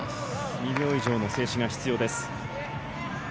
２秒以上の静止が必要です。